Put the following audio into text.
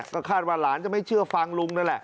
ก็คาดว่าหลานจะไม่เชื่อฟังลุงนั่นแหละ